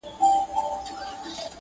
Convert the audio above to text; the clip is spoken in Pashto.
د همت ږغ مو په کل جهان کي خپور وو.!